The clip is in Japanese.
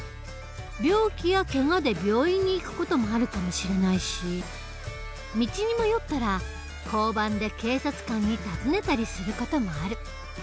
病気やけがで病院に行く事もあるかもしれないし道に迷ったら交番で警察官に尋ねたりする事もある。